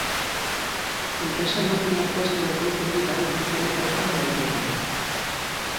Enpresa makina-tresnen ekoizlerik garrantzitsuenetakoa da Europan.